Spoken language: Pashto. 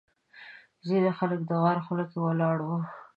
ځینې خلک د غار خوله کې ولاړ وو.